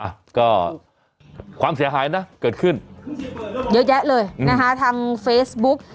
อ่ะก็ความเสียหายนะเกิดขึ้นเยอะแยะเลยนะคะทางเฟซบุ๊ก